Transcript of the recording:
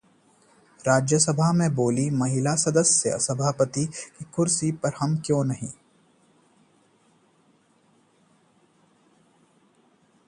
राज्यसभा में बोली महिला सदस्य- सभापति की कुर्सी पर हम क्यों नहीं